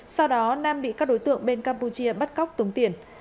sau đó nam bị các đối tượng bên campuchia bắt cóc tống tiền